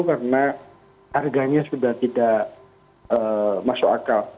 karena harganya sudah tidak masuk akal